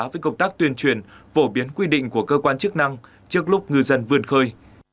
với công tác tuyên truyền phổ biến quy định của cơ quan chức năng trước lúc ngư dân vươn khơi